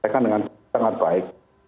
saya kan dengan sangat baik